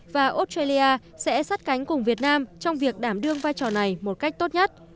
và australia sẽ sát cánh cùng việt nam trong việc đảm đương vai trò này một cách tốt nhất